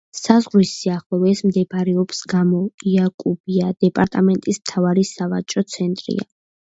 საზღვრის სიახლოვეს მდებარეობის გამო, იაკუიბა დეპარტამენტის მთავარი სავაჭრო ცენტრია.